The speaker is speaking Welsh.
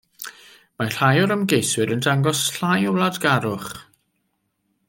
Y mae rhai o'r ymgeiswyr yn dangos llai o wladgarwch.